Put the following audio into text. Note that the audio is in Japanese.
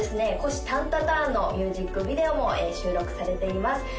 「虎視タンタ・ターン」のミュージックビデオも収録されています